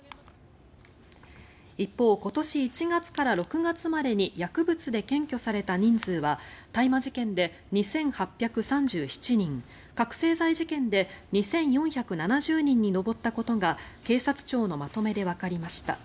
一方、今年１月から６月までに薬物で検挙された人数は大麻事件で２８３７人覚醒剤事件で２４７０人に上ったことが警察庁のまとめでわかりました。